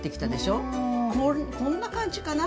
こんな感じかな。